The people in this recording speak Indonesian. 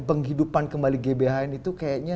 penghidupan kembali gbhn itu kayaknya